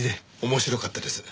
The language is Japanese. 面白かったです。